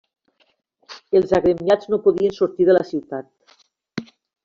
Els agremiats no podien sortir de la ciutat.